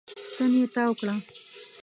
ستن يې تاو کړه.